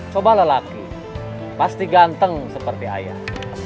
coba lelaki pasti ganteng seperti ayah